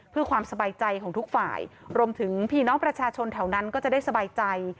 เพื่อความสบายใจของทุกฝ่ายรวมถึงพี่น้องประชาชนแถวนั้นก็จะได้สบายใจ